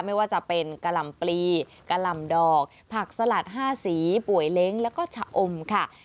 ไม่ว่าจะเป็นกะหล่ำปลีกะหล่ำดอกผักสลัด๕สีป่วยเล้งแล้วก็ชะอมค่ะ